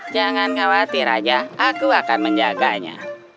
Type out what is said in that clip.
jangan khawatir aja aku akan menjaganya